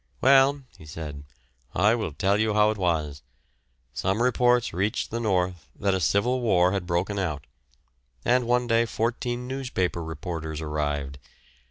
"Well," he said, "I will tell you how it was. Some reports reached the north that a civil war had broken out, and one day fourteen newspaper reporters arrived.